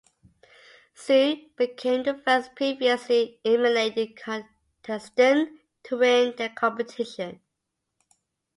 Siu became the first previously eliminated contestant to win the competition.